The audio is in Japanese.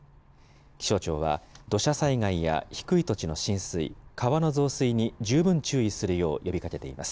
気象庁は土砂災害や低い土地の浸水、川の増水に十分注意するよう呼びかけています。